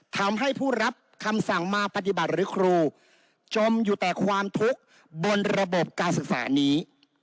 ทำให้ผู้รับคำสั่งมาปฏิบัติหรือครูจมอยู่แต่ความทุกข์บนระบบการศึกษานี้